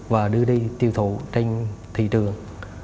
và đưa đi tiêu thụ trên thị trường